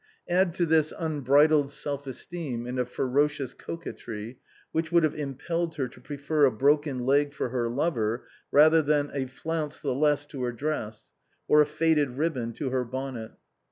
Add to this unbridled self esteem and a ferocious coquetry, which would have im pelled her to prefer a broken leg for her lover rather than a flounce the less to her dress, or a faded ribbon to her bon net.